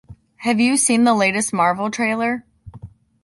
Have you seen the latest Marvel trailer?